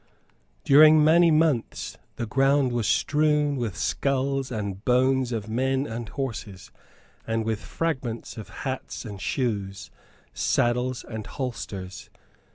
During many months the ground was strewn with skulls and bones of men and horses, and with fragments of hats and shoes, saddles and holsters.